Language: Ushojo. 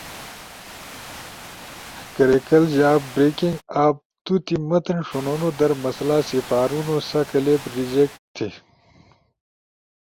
کریکلز یا بریکنگ اپ تو تی متن ݜنونو در مسئلہ سپارینو سا کلپ ریجیکٹ تھی۔